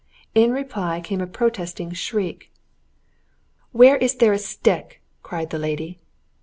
In reply came a protesting shriek. "Where is there a stick?" cried the lady.